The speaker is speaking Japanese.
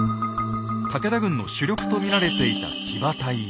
武田軍の主力と見られていた騎馬隊や。